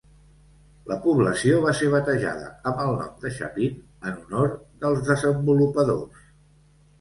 La població va ser batejada amb el nom de Chapin en honor dels desenvolupadors.